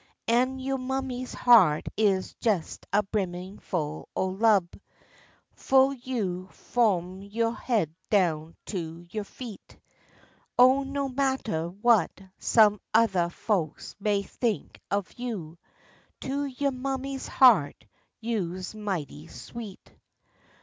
An' yo' mammy's heart is jes a brimmin' full o' lub Fu' you f'om yo' head down to yo' feet; Oh, no mattah w'at some othah folks may t'ink o' you, To yo' mammy's heart you's mighty sweet.